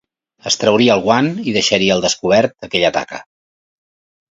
Es trauria el guant i deixaria al descobert aquella taca